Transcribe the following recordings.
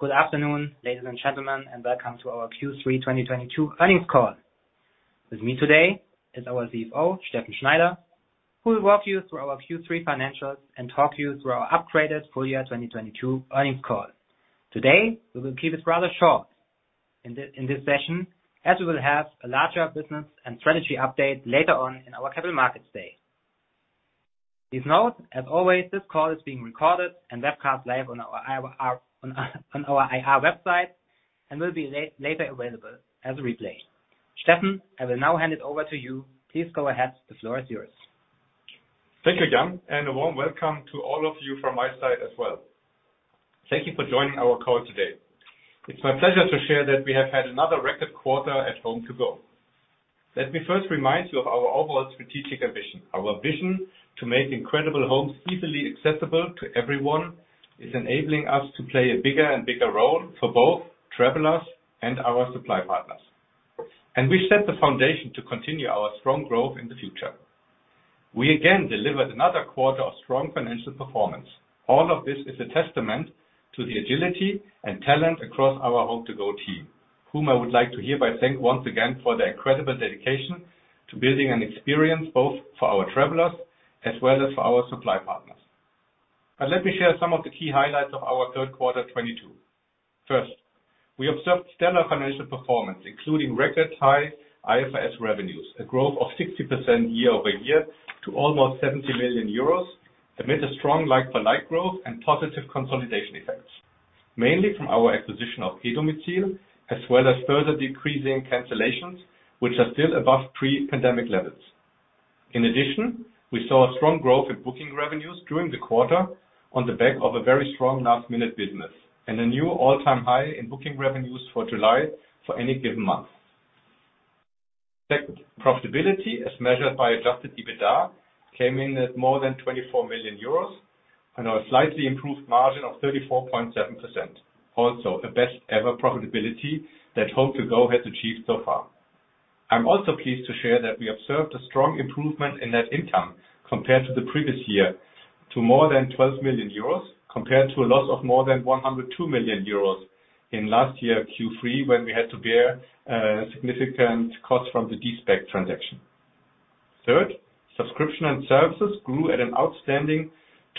Good afternoon, ladies and gentlemen, and welcome to our Q3 2022 earnings call. With me today is our CFO, Steffen Schneider, who will walk you through our Q3 financials and talk you through our upgraded full year 2022 earnings call. Today, we will keep it rather short in this session, as we will have a larger business and strategy update later on in our capital markets day. Please note, as always, this call is being recorded and webcast live on our IR website and will be later available as a replay. Steffen, I will now hand it over to you. Please go ahead. The floor is yours. Thank you, Jan, and a warm welcome to all of you from my side as well. Thank you for joining our call today. It's my pleasure to share that we have had another record quarter at HomeToGo. Let me first remind you of our overall strategic ambition. Our vision to make incredible homes easily accessible to everyone is enabling us to play a bigger and bigger role for both travelers and our supply partners. We set the foundation to continue our strong growth in the future. We again delivered another quarter of strong financial performance. All of this is a testament to the agility and talent across our HomeToGo team, whom I would like to hereby thank once again for their incredible dedication to building an experience both for our travelers as well as for our supply partners. Let me share some of the key highlights of our third quarter 2022. First, we observed stellar financial performance, including record high IFRS revenues, a growth of 60% year-over-year to almost 70 million euros, amid a strong like-for-like growth and positive consolidation effects, mainly from our acquisition of e-domizil, as well as further decreasing cancellations, which are still above pre-pandemic levels. In addition, we saw a strong growth in booking revenues during the quarter on the back of a very strong last-minute business and a new all-time high in booking revenues for July for any given month. Second, profitability as measured by Adjusted EBITDA came in at more than 24 million euros on a slightly improved margin of 34.7%. Also a best ever profitability that HomeToGo has achieved so far. I'm also pleased to share that we observed a strong improvement in net income compared to the previous year to more than 12 million euros, compared to a loss of more than 102 million euros in last year Q3 when we had to bear significant costs from the de-SPAC transaction. Third, subscription and services grew at an outstanding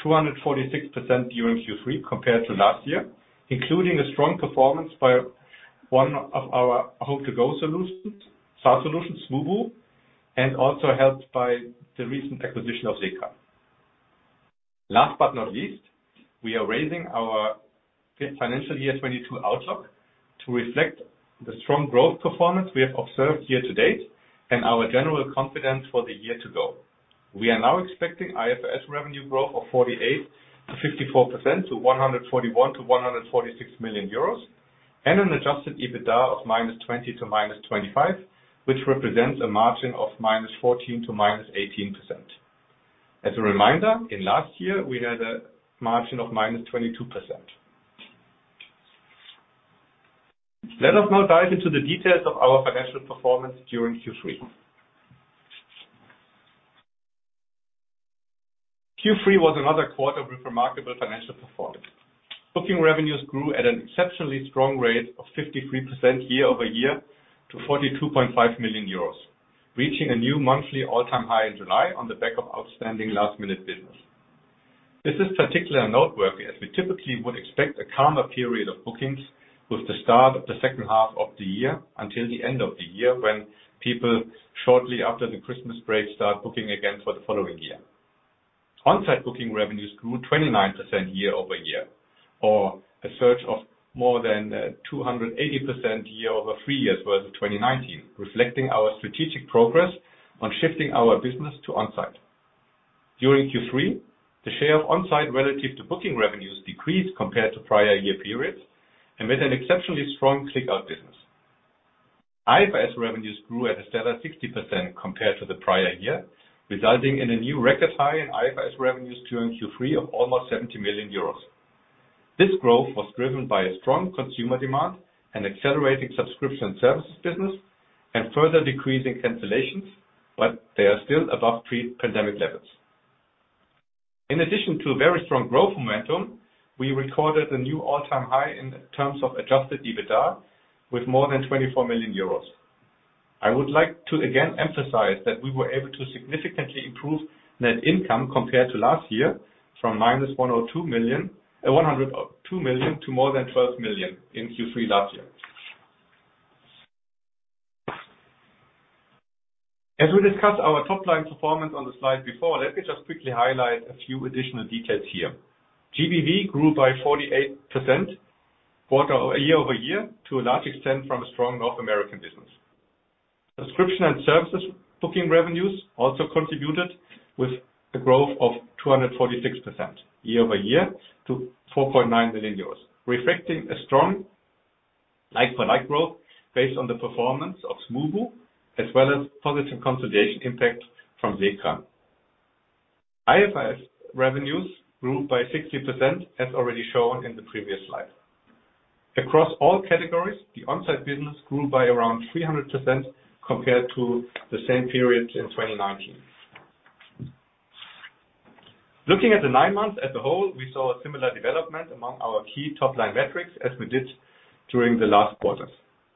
246% during Q3 compared to last year, including a strong performance by one of our HomeToGo solutions, SaaS solutions, Smoobu, and also helped by the recent acquisition of SECRA. Last but not least, we are raising our financial year 2022 outlook to reflect the strong growth performance we have observed year to date and our general confidence for the year to go. We are now expecting IFRS revenue growth of 48%-54% to 141 million-146 million euros and an adjusted EBITDA of -20 million to -25 million, which represents a margin of -14% to -18%. As a reminder, in last year, we had a margin of -22%. Let us now dive into the details of our financial performance during Q3. Q3 was another quarter with remarkable financial performance. Booking revenues grew at an exceptionally strong rate of 53% year-over-year to 42.5 million euros, reaching a new monthly all-time high in July on the back of outstanding last-minute business. This is particularly noteworthy as we typically would expect a calmer period of bookings with the start of the second half of the year until the end of the year when people shortly after the Christmas break start booking again for the following year. On-site booking revenues grew 29% year-over-year or a surge of more than 280% year-over-three-years from 2019, reflecting our strategic progress on shifting our business to on-site. During Q3, the share of on-site relative to booking revenues decreased compared to prior year periods and with an exceptionally strong click-out business. IFRS revenues grew at a stellar 60% compared to the prior year, resulting in a new record high in IFRS revenues during Q3 of almost 70 million euros. This growth was driven by a strong consumer demand and accelerating subscription services business and further decreasing cancellations, but they are still above pre-pandemic levels. In addition to a very strong growth momentum, we recorded a new all-time high in terms of Adjusted EBITDA with more than 24 million euros. I would like to again emphasize that we were able to significantly improve net income compared to last year from -102 million to more than 12 million in Q3 last year. As we discussed our top line performance on the slide before, let me just quickly highlight a few additional details here. GBV grew by 48% quarter-over-year to a large extent from a strong North American business. Subscription and services booking revenues also contributed with a growth of 246% year-over-year to 4.9 million euros, reflecting a strong like-for-like growth based on the performance of Smoobu as well as positive consolidation impact from Wegcar. IFRS revenues grew by 60%, as already shown in the previous slide. Across all categories, the on-site business grew by around 300% compared to the same period in 2019. Looking at the nine months as a whole, we saw a similar development among our key top-line metrics as we did during the last quarters.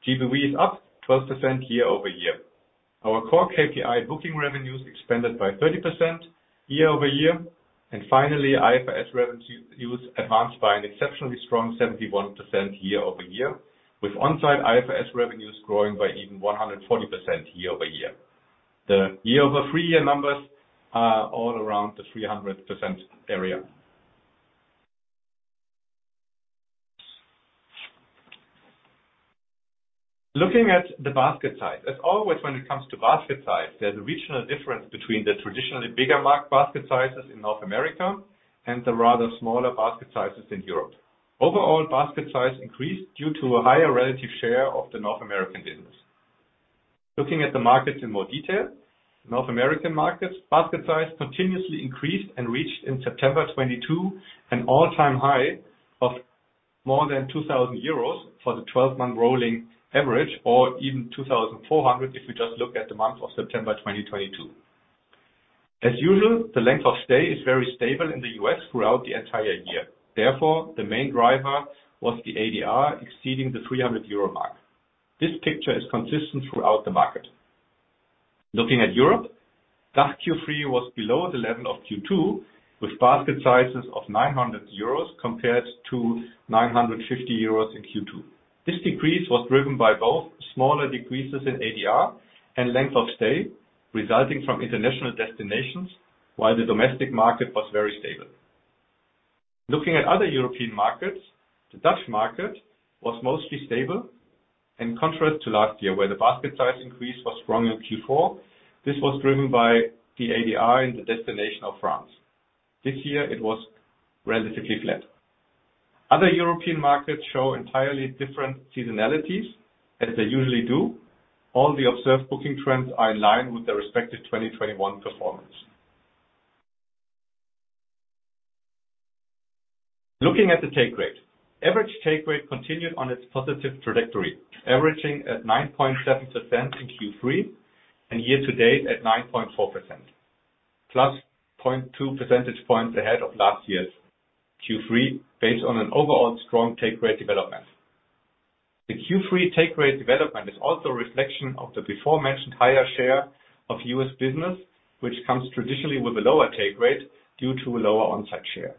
GBV is up 12% year-over-year. Our core KPI booking revenues expanded by 30% year-over-year. Finally, IFRS revenues advanced by an exceptionally strong 71% year-over-year, with on-site IFRS revenues growing by even 140% year-over-year. The year-over-three-year numbers are all around the 300% area. Looking at the basket size, as always when it comes to basket size, there's a regional difference between the traditionally bigger market basket sizes in North America and the rather smaller basket sizes in Europe. Overall, basket size increased due to a higher relative share of the North American business. Looking at the markets in more detail, North American markets basket size continuously increased and reached in September 2022 an all-time high of more than 2,000 euros for the 12-month rolling average, or even 2,400 if we just look at the month of September 2022. As usual, the length of stay is very stable in the U.S. throughout the entire year. Therefore, the main driver was the ADR exceeding the 300 euro mark. This picture is consistent throughout the market. Looking at Europe, this Q3 was below the level of Q2 with basket sizes of 900 euros compared to 950 euros in Q2. This decrease was driven by both smaller decreases in ADR and length of stay resulting from international destinations, while the domestic market was very stable. Looking at other European markets, the Dutch market was mostly stable. In contrast to last year, where the basket size increase was strong in Q4, this was driven by the ADR in the destination of France. This year it was relatively flat. Other European markets show entirely different seasonalities, as they usually do. All the observed booking trends are in line with their respective 2021 performance. Looking at the take rate. Average take rate continued on its positive trajectory, averaging at 9.7% in Q3 and year to date at 9.4%, +0.2 percentage points ahead of last year's Q3 based on an overall strong take rate development. The Q3 take rate development is also a reflection of the before mentioned higher share of U.S. business, which comes traditionally with a lower take rate due to a lower on-site share.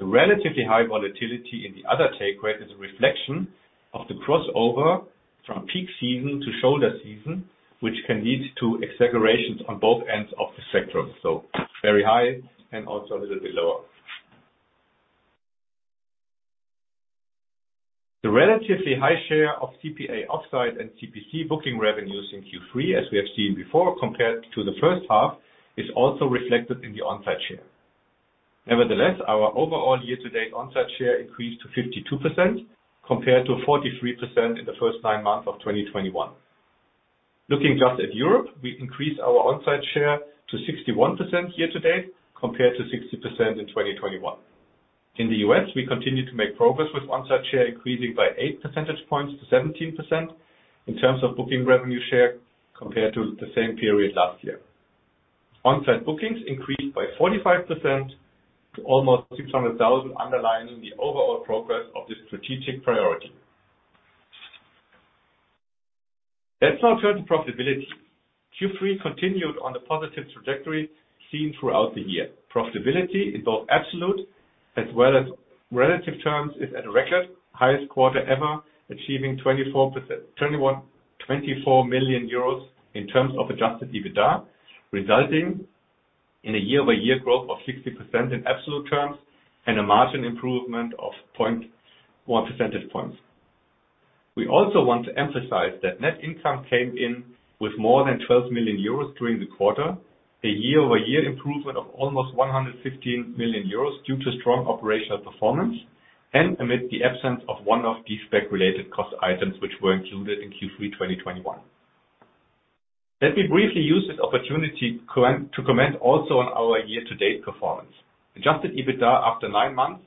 The relatively high volatility in the other take rate is a reflection of the crossover from peak season to shoulder season, which can lead to exaggerations on both ends of the spectrum. Very high and also a little bit lower. The relatively high share of CPA off-site and CPC booking revenues in Q3, as we have seen before, compared to the first half, is also reflected in the on-site share. Nevertheless, our overall year-to-date on-site share increased to 52% compared to 43% in the first nine months of 2021. Looking just at Europe, we increased our on-site share to 61% year to date compared to 60% in 2021. In the US, we continue to make progress with on-site share increasing by 8 percentage points to 17% in terms of booking revenue share compared to the same period last year. On-site bookings increased by 45% to almost 600,000, underlining the overall progress of this strategic priority. Let's now turn to profitability. Q3 continued on the positive trajectory seen throughout the year. Profitability in both absolute as well as relative terms is at a record highest quarter ever, achieving 24 million euros in terms of Adjusted EBITDA, resulting in a year-over-year growth of 60% in absolute terms and a margin improvement of 0.1 percentage points. We also want to emphasize that net income came in with more than 12 million euros during the quarter, a year-over-year improvement of almost 115 million euros due to strong operational performance and amid the absence of one of these SPAC-related cost items which were included in Q3 2021. Let me briefly use this opportunity to comment also on our year-to-date performance. Adjusted EBITDA after 9 months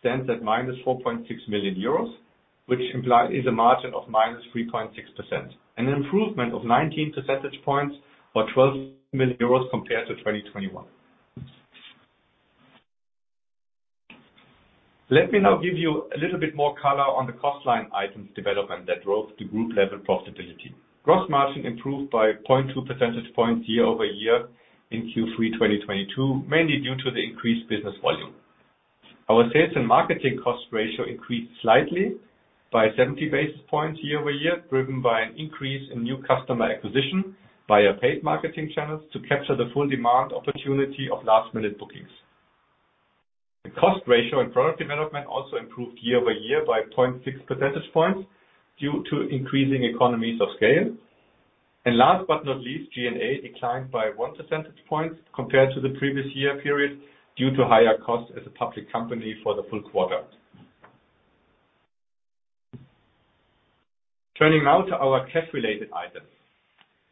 stands at -4.6 million euros, which implies a margin of -3.6%, an improvement of 19 percentage points or 12 million euros compared to 2021. Let me now give you a little bit more color on the cost line items development that drove the group level profitability. Gross margin improved by 0.2 percentage points year-over-year in Q3 2022, mainly due to the increased business volume. Our sales and marketing cost ratio increased slightly by 70 basis points year-over-year, driven by an increase in new customer acquisition via paid marketing channels to capture the full demand opportunity of last-minute bookings. The cost ratio and product development also improved year-over-year by 0.6 percentage points due to increasing economies of scale. Last but not least, G&A declined by 1 percentage point compared to the previous year period due to higher costs as a public company for the full quarter. Turning now to our cash-related items.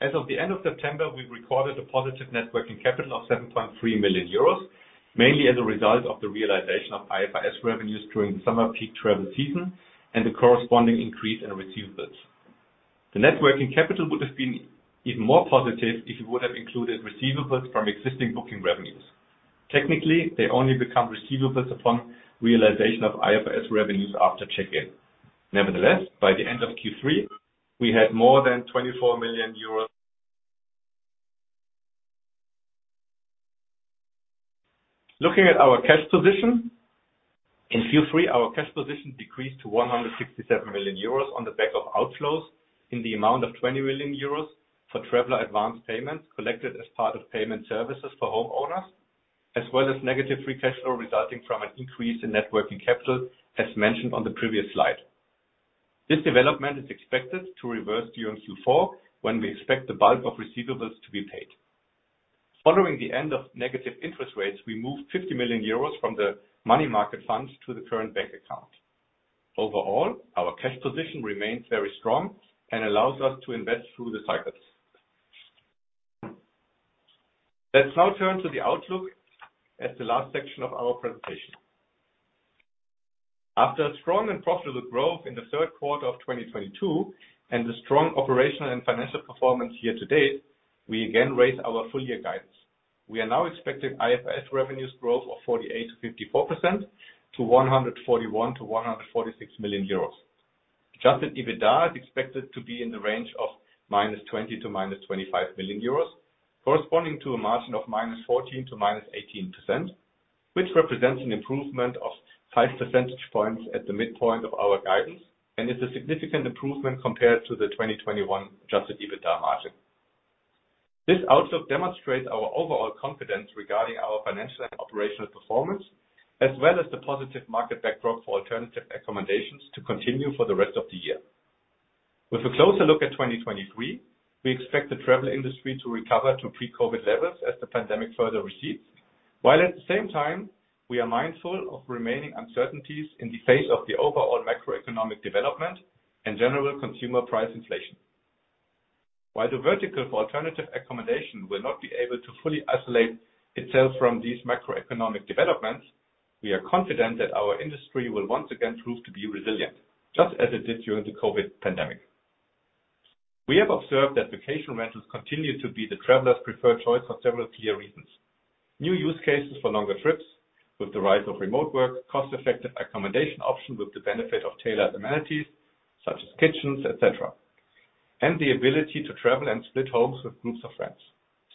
As of the end of September, we recorded a positive net working capital of 7.3 million euros, mainly as a result of the realization of IFRS revenues during the summer peak travel season and the corresponding increase in receivables. The net working capital would have been even more positive if it would have included receivables from existing booking revenues. Technically, they only become receivables upon realization of IFRS revenues after check-in. Nevertheless, by the end of Q3, we had more than 24 million euros. Looking at our cash position, in Q3, our cash position decreased to 167 million euros on the back of outflows in the amount of 20 million euros for traveler advance payments collected as part of payment services for homeowners, as well as negative free cash flow resulting from an increase in net working capital as mentioned on the previous slide. This development is expected to reverse during Q4, when we expect the bulk of receivables to be paid. Following the end of negative interest rates, we moved 50 million euros from the money market funds to the current bank account. Overall, our cash position remains very strong and allows us to invest through the cycles. Let's now turn to the outlook as the last section of our presentation. After strong and profitable growth in the third quarter of 2022 and the strong operational and financial performance here to date, we again raise our full year guidance. We are now expecting IFRS revenues growth of 48%-54% to 141 million-146 million euros. Adjusted EBITDA is expected to be in the range of -20 million to -25 million euros, corresponding to a margin of -14% to -18%, which represents an improvement of 5 percentage points at the midpoint of our guidance and is a significant improvement compared to the 2021 Adjusted EBITDA margin. This outlook demonstrates our overall confidence regarding our financial and operational performance, as well as the positive market backdrop for alternative accommodations to continue for the rest of the year. With a closer look at 2023, we expect the travel industry to recover to pre-COVID levels as the pandemic further recedes, while at the same time, we are mindful of remaining uncertainties in the face of the overall macroeconomic development and general consumer price inflation. While the vertical for alternative accommodation will not be able to fully isolate itself from these macroeconomic developments, we are confident that our industry will once again prove to be resilient, just as it did during the COVID pandemic. We have observed that vacation rentals continue to be the traveler's preferred choice for several clear reasons. New use cases for longer trips with the rise of remote work, cost-effective accommodation options with the benefit of tailored amenities such as kitchens, et cetera, and the ability to travel and split homes with groups of friends.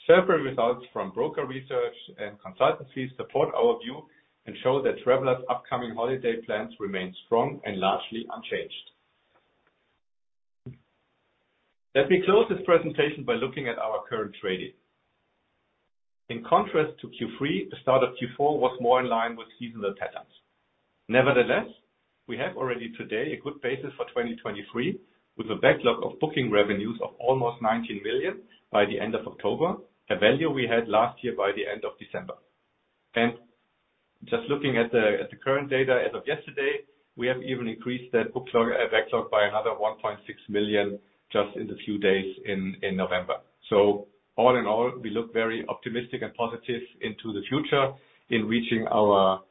Several results from broker research and consultancies support our view and show that travelers' upcoming holiday plans remain strong and largely unchanged. Let me close this presentation by looking at our current trading. In contrast to Q3, the start of Q4 was more in line with seasonal patterns. Nevertheless, we have already today a good basis for 2023, with a backlog of booking revenues of almost 19 million by the end of October, a value we had last year by the end of December. Just looking at the current data as of yesterday, we have even increased that backlog by another 1.6 million just in the few days in November. All in all, we look very optimistic and positive into the future in reaching our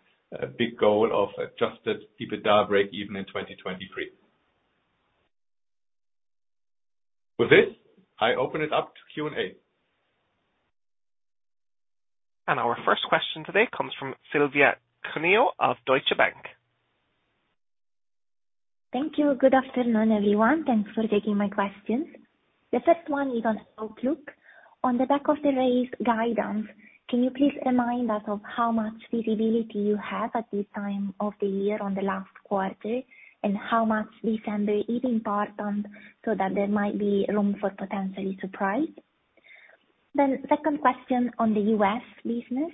big goal of adjusted EBITDA breakeven in 2023. With this, I open it up to Q&A. Our first question today comes from Silvia Cuneo of Deutsche Bank. Thank you. Good afternoon, everyone. Thanks for taking my questions. The first one is on outlook. On the back of the raised guidance, can you please remind us of how much visibility you have at this time of the year on the last quarter, and how much December is important so that there might be room for potential surprise? Second question on the U.S. business.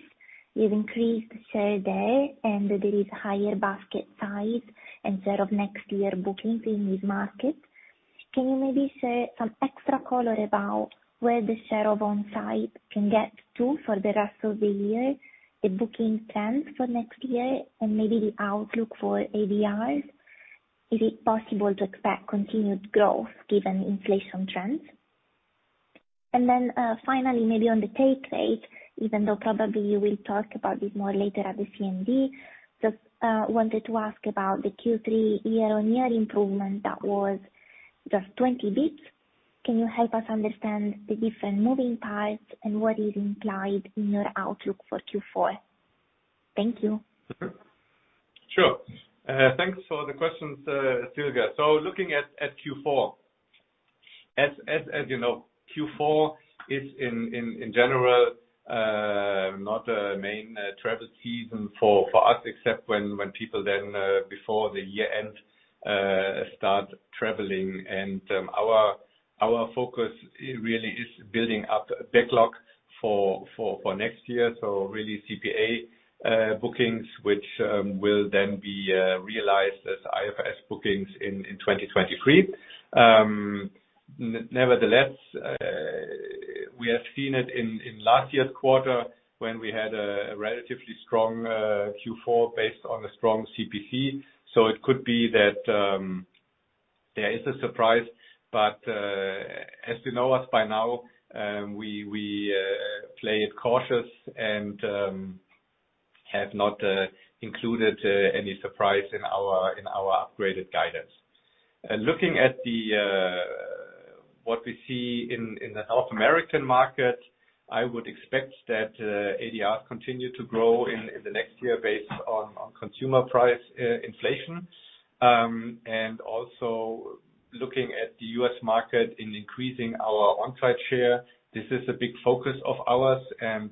You've increased share there, and there is higher basket size and share of next year bookings in this market. Can you maybe share some extra color about where the share of on-site can get to for the rest of the year, the booking plans for next year, and maybe the outlook for ADRs? Is it possible to expect continued growth given inflation trends? Finally, maybe on the take rate, even though probably you will talk about it more later at the CMD, just wanted to ask about the Q3 year-on-year improvement that was just 20 basis points. Can you help us understand the different moving parts and what is implied in your outlook for Q4? Thank you. Sure. Thanks for the questions, Silvia. Looking at Q4. As you know, Q4 is in general not a main travel season for us, except when people then before the year-end start traveling. Our focus really is building up a backlog for next year. Really CPA bookings, which will then be realized as IFRS bookings in 2023. Nevertheless, we have seen it in last year's quarter when we had a relatively strong Q4 based on a strong CPC. It could be that there is a surprise. As you know us by now, we play it cautious and have not included any surprise in our upgraded guidance. Looking at what we see in the North American market, I would expect that ADR continue to grow in the next year based on consumer price inflation. Also looking at the US market and increasing our on-site share. This is a big focus of ours and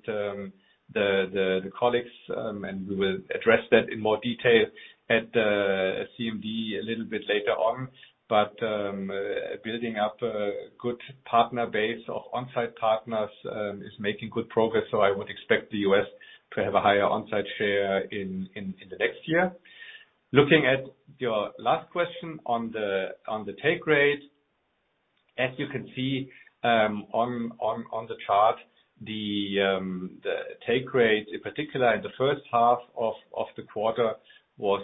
the colleagues and we will address that in more detail at CMD a little bit later on. Building up a good partner base of on-site partners is making good progress, so I would expect the US to have a higher on-site share in the next year. Looking at your last question on the take rate, as you can see, on the chart, the take rate, in particular in the first half of the quarter was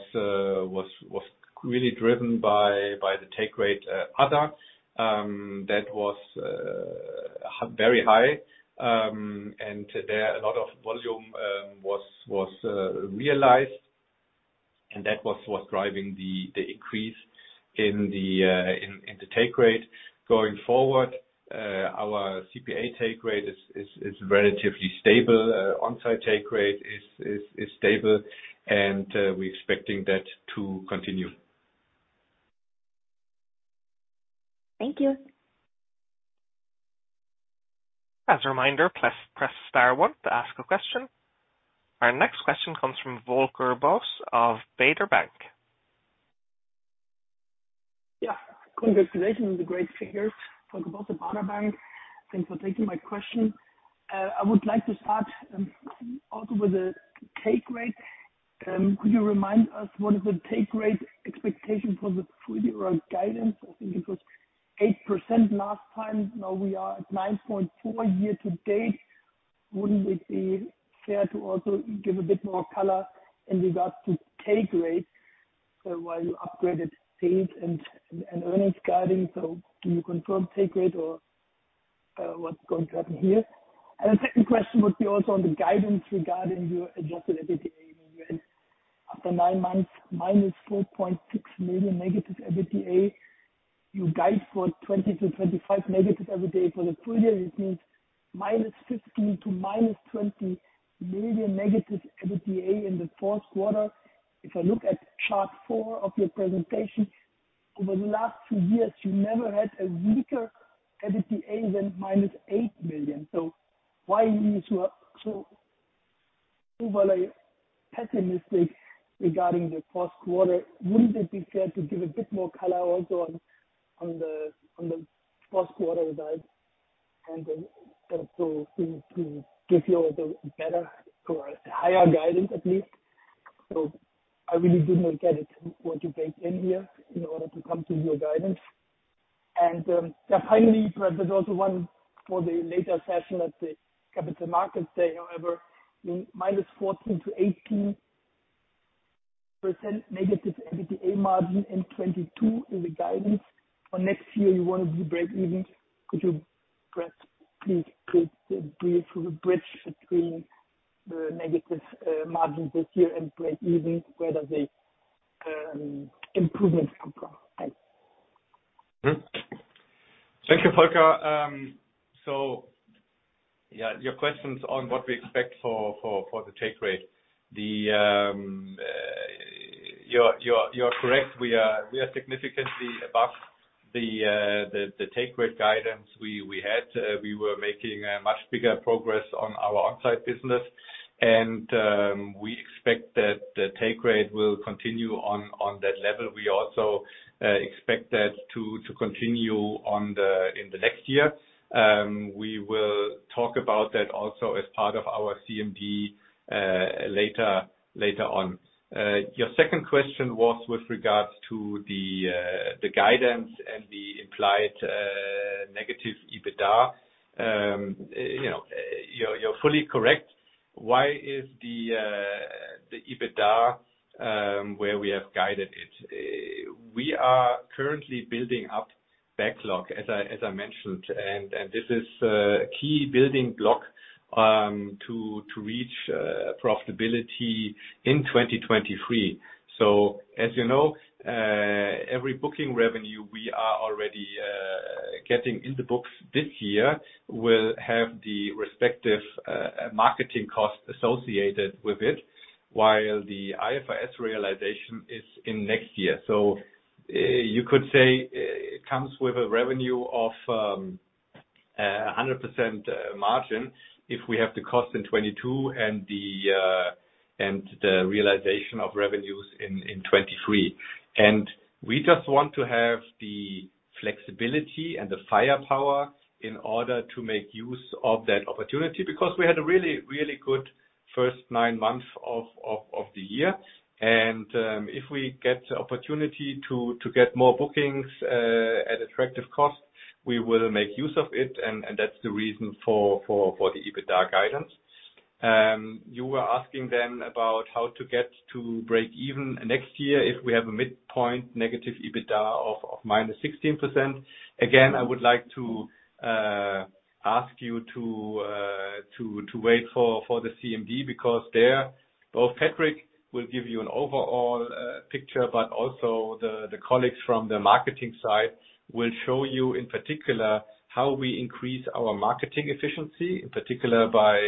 really driven by the take rate, other, that was very high. There a lot of volume was realized, and that was what's driving the increase in the take rate. Going forward, our CPA take rate is relatively stable. On-site take rate is stable and we're expecting that to continue. Thank you. As a reminder, press star one to ask a question. Our next question comes from Volker Bosse of Baader Bank. Yeah. Congratulations on the great figures. Volker Bosse of Baader Bank. Thanks for taking my question. I would like to start also with the take rate. Could you remind us what is the take rate expectation for the full year or guidance? I think it was 8% last time. Now we are at 9.4% year to date. Wouldn't it be fair to also give a bit more color in regards to take rate while you upgraded sales and earnings guidance? Can you confirm take rate or what's going to happen here? The second question would be also on the guidance regarding your adjusted EBITDA. You had after nine months -4.6 million negative EBITDA. You guide for 20-25 negative EBITDA for the full year, it means -15 million to -20 million negative EBITDA in the fourth quarter. If I look at chart four of your presentation, over the last two years, you never had a weaker EBITDA than EUR -8 million. Why are you so overly pessimistic regarding the fourth quarter? Wouldn't it be fair to give a bit more color also on the fourth quarter guide and sort of to give you a bit better or higher guidance at least? I really did not get it, what you baked in here in order to come to your guidance. Finally, perhaps there's also one for the later session at the capital markets day. However, I mean, -14%-18% negative EBITDA margin in 2022 is the guidance. For next year, you wanna be breakeven. Could you perhaps please create a brief bridge between the negative margin this year and breakeven, where does the improvements come from? Thanks. Thank you, Volker. Your questions on what we expect for the take rate. You're correct. We are significantly above the take rate guidance we had. We were making a much bigger progress on our on-site business, and we expect that the take rate will continue on that level. We also expect that to continue in the next year. We will talk about that also as part of our CMD later on. Your second question was with regards to the guidance and the implied negative EBITDA. You know, you're fully correct. Why is the EBITDA where we have guided it? We are currently building up backlog, as I mentioned, and this is a key building block to reach profitability in 2023. As you know, every booking revenue we are already getting in the books this year will have the respective marketing cost associated with it, while the IFRS realization is in next year. You could say it comes with a revenue of 100% margin if we have the cost in 2022 and the realization of revenues in 2023. We just want to have the flexibility and the firepower in order to make use of that opportunity, because we had a really good first nine months of the year. If we get the opportunity to get more bookings at attractive cost, we will make use of it. That's the reason for the EBITDA guidance. You were asking then about how to get to breakeven next year if we have a midpoint negative EBITDA of -16%. Again, I would like to ask you to wait for the CMD because there both Patrick will give you an overall picture, but also the colleagues from the marketing side will show you in particular how we increase our marketing efficiency, in particular by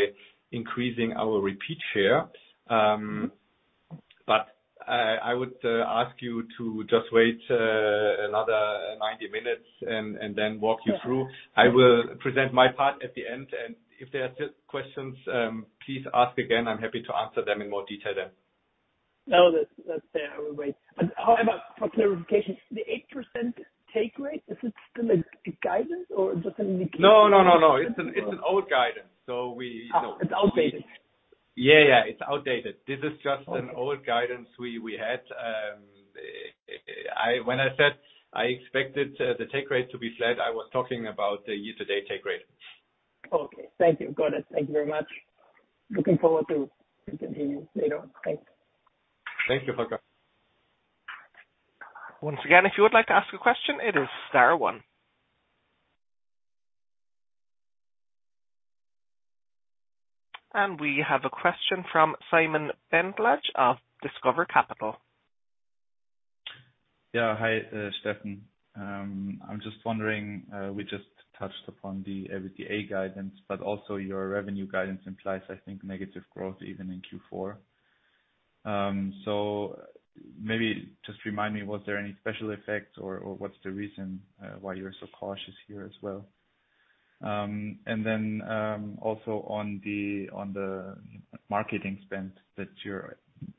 increasing our repeat share. I would ask you to just wait another 90 minutes and then walk you through. I will present my part at the end, and if there are still questions, please ask again. I'm happy to answer them in more detail then. No, that's fair. I will wait. However, for clarification, the 8% take rate, is it still a guidance or just an indication? No. It's an old guidance. Oh, it's outdated. Yeah, yeah, it's outdated. This is just an old guidance we had. When I said I expected the take rate to be flat, I was talking about the year-to-date take rate. Okay. Thank you. Got it. Thank you very much. Looking forward to continuing later. Thanks. Thank you, Volker. Once again, if you would like to ask a question, it is star one. We have a question from Simon Bentlage of Discovery Capital. Yeah. Hi, Steffen. I'm just wondering, we just touched upon the EBITDA guidance, but also your revenue guidance implies, I think, negative growth even in Q4. Maybe just remind me, was there any special effects or what's the reason why you're so cautious here as well? Then, also on the marketing spend that you're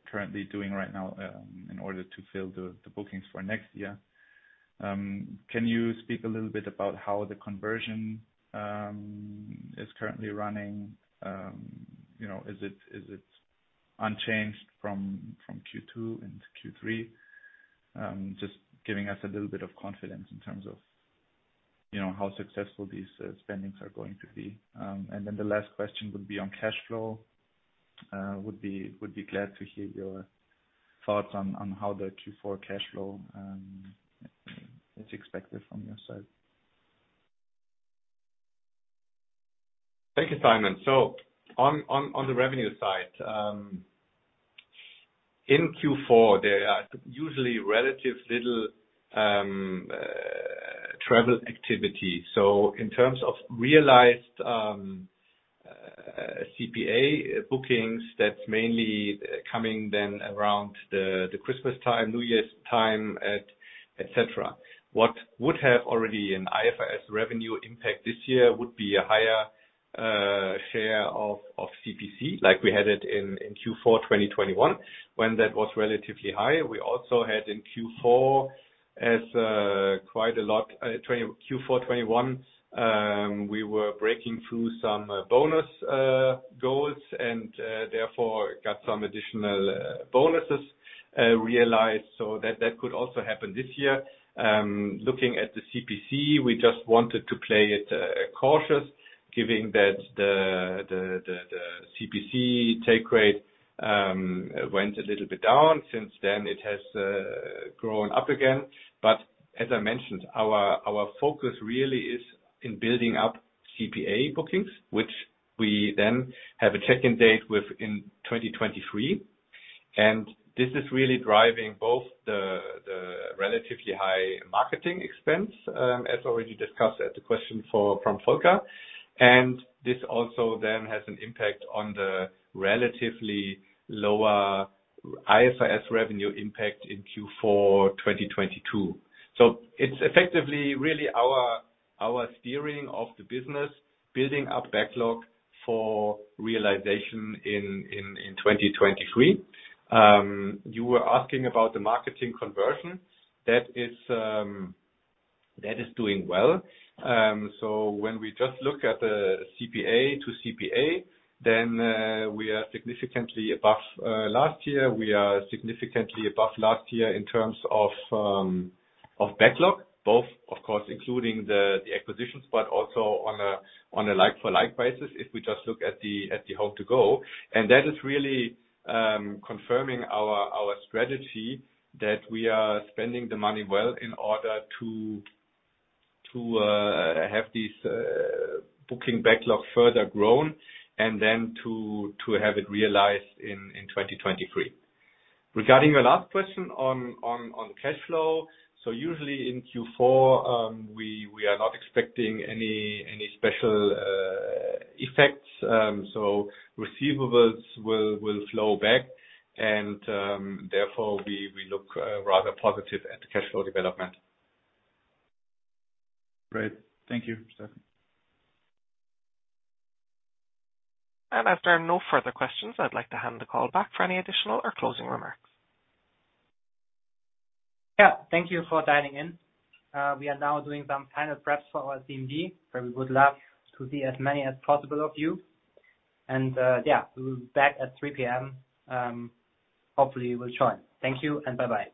currently doing right now, in order to fill the bookings for next year, can you speak a little bit about how the conversion is currently running? You know, is it unchanged from Q2 into Q3? Just giving us a little bit of confidence in terms of, you know, how successful these spendings are going to be. The last question would be on cash flow. Would be glad to hear your thoughts on how the Q4 cash flow is expected from your side? Thank you, Simon. On the revenue side, in Q4, there are usually relatively little travel activity. In terms of realized CPA bookings, that's mainly coming then around the Christmas time, New Year's time, et cetera. What would have already an IFRS revenue impact this year would be a higher share of CPC, like we had it in Q4 2021, when that was relatively high. We also had in Q4 2021 quite a lot. In Q4 2021, we were breaking through some bonus goals and therefore got some additional bonuses realized. That could also happen this year. Looking at the CPC, we just wanted to play it cautiously, given that the CPC take rate went a little bit down. Since then, it has grown up again. As I mentioned, our focus really is in building up CPA bookings, which we then have a check-in date with in 2023, and this is really driving both the relatively high marketing expense, as already discussed at the question from Volker. This also then has an impact on the relatively lower IFRS revenue impact in Q4 2022. It's effectively really our steering of the business, building up backlog for realization in 2023. You were asking about the marketing conversion. That is doing well. When we just look at the CPA to CPA, then we are significantly above last year. We are significantly above last year in terms of backlog, both, of course, including the acquisitions, but also on a like-for-like basis, if we just look at the HomeToGo. That is really confirming our strategy that we are spending the money well in order to have this booking backlog further grown and then to have it realized in 2023. Regarding your last question on cash flow. Usually in Q4, we are not expecting any special effects, so receivables will flow back and therefore we look rather positive at the cash flow development. Great. Thank you, Steffen. As there are no further questions, I'd like to hand the call back for any additional or closing remarks. Yeah. Thank you for dialing in. We are now doing some final preps for our CMD, where we would love to see as many as possible of you. Yeah, we'll be back at 3:00 P.M., hopefully you will join. Thank you, and bye-bye.